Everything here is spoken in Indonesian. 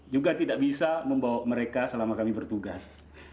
juga tidak bisa membawa mereka selama kami bertugas